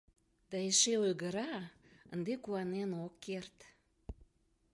Да эше ойгыра: ынде куанен ок керт...